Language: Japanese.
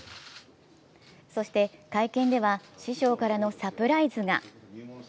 そして、会見では師匠からのサプライズが。